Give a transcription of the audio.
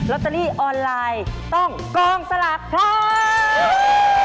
ตเตอรี่ออนไลน์ต้องกองสลากพร้อม